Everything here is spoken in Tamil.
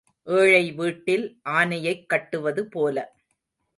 ஏழை வீட்டில் ஆனையைக் கட்டுவது போல.